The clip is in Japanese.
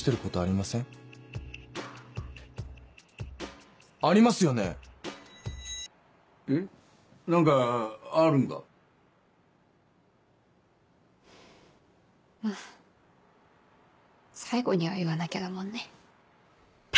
まぁ最後には言わなきゃだもんね。